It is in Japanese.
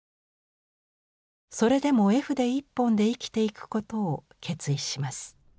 それでも絵筆一本で生きていくことを決意します。